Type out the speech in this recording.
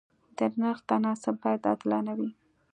د نرخ تناسب باید عادلانه وي.